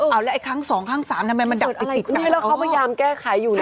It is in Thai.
เอาแล้วไอ้ครั้งสองครั้งสามทำไมมันดัดไอติกให้แล้วเขาพยายามแก้ไขอยู่นะ